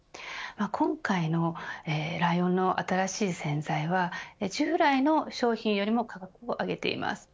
今回のライオンの新しい洗剤は従来の商品よりも価格を上げています。